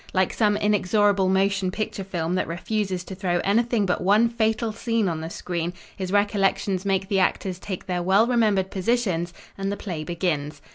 Like some inexorable motion picture film that refuses to throw anything but one fatal scene on the screen, his recollections make the actors take their well remembered positions and the play begins.